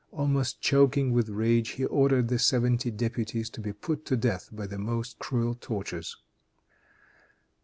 Almost choking with rage, he ordered the seventy deputies to be put to death by the most cruel tortures.